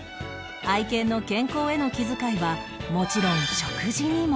愛犬の健康への気遣いはもちろん食事にも